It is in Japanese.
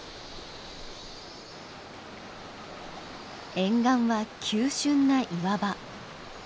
沿岸は急しゅんな岩場。